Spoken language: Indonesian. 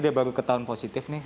dia baru ketahuan positif nih